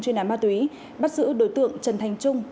chuyên án ma túy bắt giữ đối tượng trần thành trung